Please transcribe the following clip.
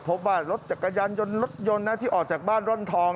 พบว่ารถจักรยานยนต์รถยนต์นะที่ออกจากบ้านร่อนทอง